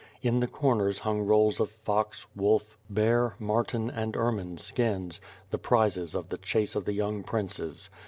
In the comers hung rolls of fox, wolf, bear, mar ten, and ermine skins, the prizes of the chase of the young princes.